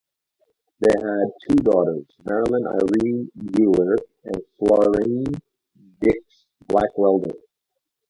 They had two daughters, Marlyn Irene Buehler and Florene Dix Blackwelder.